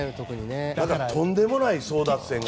だからとんでもない争奪戦が。